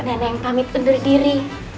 neneng pamit berdiri